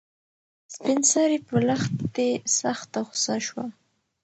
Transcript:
سپین سرې په لښتې سخته غوسه شوه.